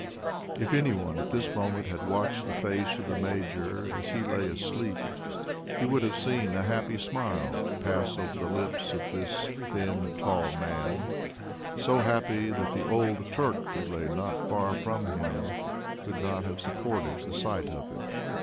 If any one at this moment had watched the face of the Major as he lay asleep, he would have seen a happy smile pass over the lips of this thin tall man so happy that the old Turk who lay not far from him could not have supported the sight of it.